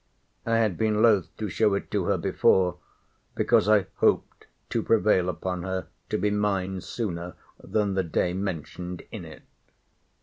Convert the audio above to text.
I had been loth to show it to her before, because I hoped to prevail upon her to be mine sooner than the day mentioned in it.